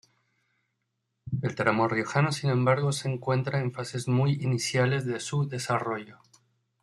El tramo riojano, sin embargo, se encuentra en fases muy iniciales de su desarrollo.